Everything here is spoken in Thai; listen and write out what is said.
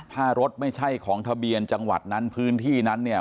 ถ้ารถไม่ใช่ของทะเบียนจังหวัดนั้นพื้นที่นั้นเนี่ย